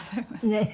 ねえ。